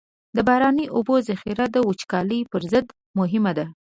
د باراني اوبو ذخیره د وچکالۍ پر ضد مهمه ده.